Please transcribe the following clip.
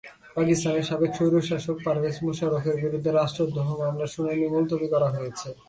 পাকিস্তানের সাবেক স্বৈরশাসক পারভেজ মোশাররফের বিরুদ্ধে রাষ্ট্রদ্রোহ মামলার শুনানি মুলতবি করা হয়েছে।